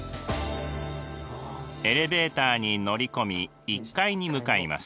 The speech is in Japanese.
エレベーターに乗り込み１階に向かいます。